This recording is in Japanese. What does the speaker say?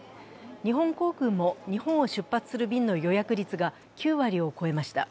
日本航空も日本を出発する便の予約率が９割を超えました。